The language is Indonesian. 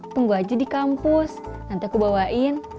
tunggu aja di kampus nanti aku bawain